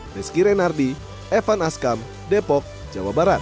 rizky renardi evan askam depok jawa barat